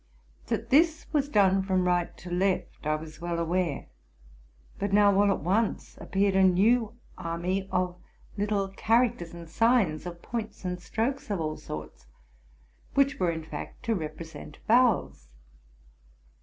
That this was done from right to left I was well aware. But now all at once appeared a new army of little characters and signs, of points and strokes of all sorts, which were in fact to represent vowels.